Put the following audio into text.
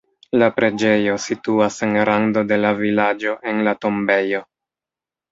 La preĝejo situas en rando de la vilaĝo en la tombejo.